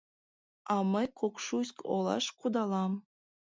А мый Кокшуйск олаш кудалам.